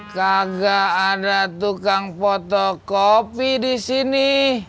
kagak ada tukang potokopi disini